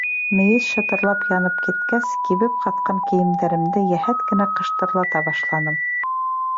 Мейес шытырлап янып киткәс, кибеп ҡатҡан кейемдәремде йәһәт кенә ҡыштырлата башланым.